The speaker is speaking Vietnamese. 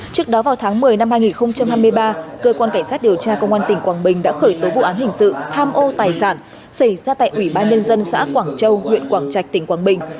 trước đó vào tháng một mươi năm hai nghìn hai mươi ba cơ quan cảnh sát điều tra công an tỉnh quảng bình đã khởi tố vụ án hình sự tham ô tài sản xảy ra tại ủy ban nhân dân xã quảng châu huyện quảng trạch tỉnh quảng bình